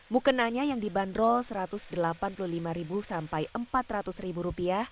mukenanya yang dibanderol rp satu ratus delapan puluh lima sampai rp empat ratus